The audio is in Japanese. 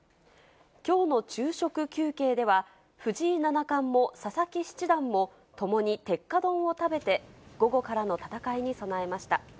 きょうの昼食休憩では、藤井七冠も佐々木七段も、共に鉄火丼を食べて、午後からの戦いに備えました。